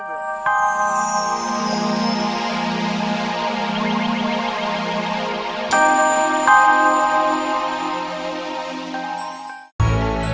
tidak aku sudah sampai